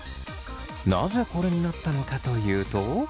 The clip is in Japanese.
なぜこれになったのかというと。